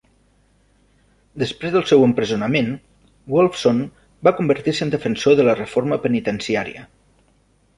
Després del seu empresonament, Wolfson va convertir-se en defensor de la reforma penitenciària.